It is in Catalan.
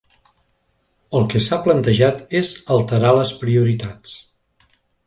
El que s’ha plantejat és alterar les prioritats.